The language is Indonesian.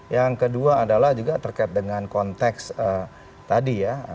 yang kedua adalah juga terkait dengan konteks tadi ya